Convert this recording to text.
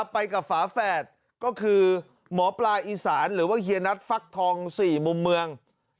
ไปกับฝาแฝดก็คือหมอปลาอีสานหรือว่าเฮียนัทฟักทอง๔มุมเมือง